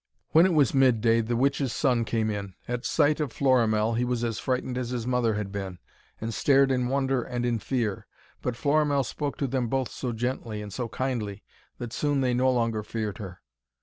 When it was midday, the witch's son came in. At the sight of Florimell he was as frightened as his mother had been, and stared in wonder and in fear. But Florimell spoke to them both so gently and so kindly that soon they no longer feared her.